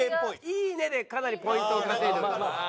「いいね」でかなりポイントを稼いでおります。